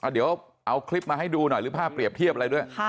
เดี๋ยวเอาคลิปมาให้ดูหน่อยหรือภาพเปรียบเทียบอะไรด้วย